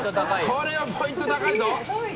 これはポイント高いぞ！